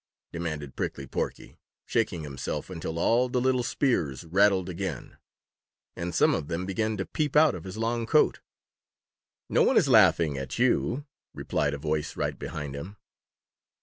demanded Pricky Porky, shaking himself until all the little spears rattled again, and some of them began to peep out of his long coat. "No one is laughing at you," replied a voice right behind him.